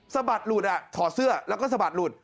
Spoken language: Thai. สะบัดหลุดที่สะบัดหล่ะถอดเสื้อแล้วก็สะบัดหลุด